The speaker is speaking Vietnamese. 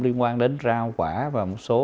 liên quan đến rau quả và một số